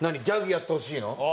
ギャグやってほしいの？